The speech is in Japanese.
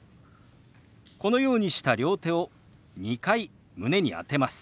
このようにした両手を２回胸に当てます。